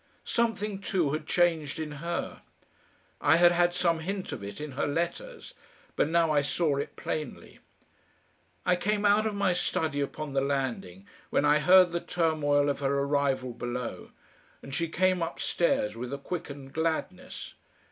Something, too, had changed in her. I had had some hint of it in her letters, but now I saw it plainly. I came out of my study upon the landing when I heard the turmoil of her arrival below, and she came upstairs with a quickened gladness.